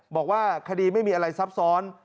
บอกว่าคดีไม่มีอะไรซับซ้อน